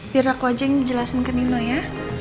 biar aku aja yang jelasin ke nino ya